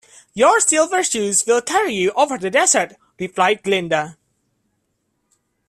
"Your Silver Shoes will carry you over the desert," replied Glinda.